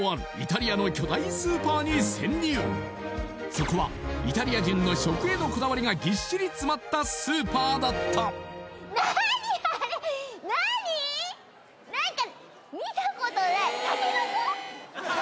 そこはイタリア人の食へのこだわりがぎっしり詰まったスーパーだった何かたけのこ？